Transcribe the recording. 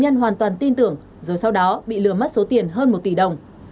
nhân hoàn toàn tin tưởng rồi sau đó bị lừa mất số tiền hơn một tỷ đồng